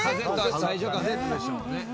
最初カセットでしたもんね。